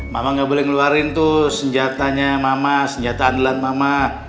mama gak boleh ngeluarin tuh senjatanya mama senjata andalan mama